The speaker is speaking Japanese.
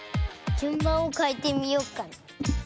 じゅんばんをかえてみようかな。